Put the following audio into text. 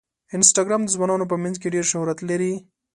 انسټاګرام د ځوانانو په منځ کې ډېر شهرت لري.